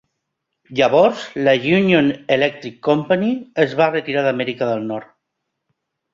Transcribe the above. Llavors, la Union Electric Company es va retirar d'Amèrica del Nord.